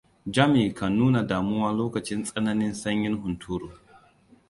Jami kan nuna damuwa lokacin tsananin sanyin hunturu.